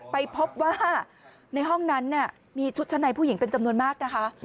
ไปพบว่าในห้องนั้นมีชุดชั้นในผู้หญิงเป็นจำนวนมากนะคะ